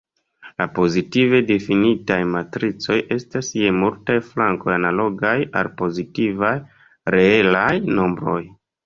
La pozitive difinitaj matricoj estas je multaj flankoj analogaj al pozitivaj reelaj nombroj.